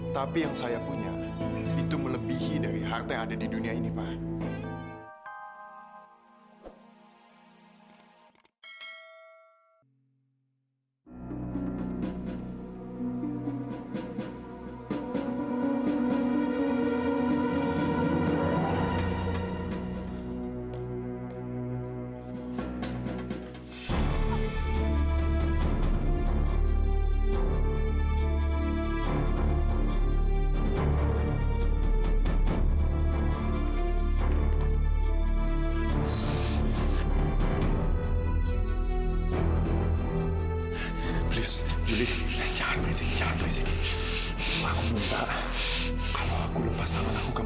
tapi yang saya punya itu melebihi dari harta yang ada di dunia ini pak